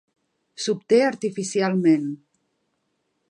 S'obté artificialment.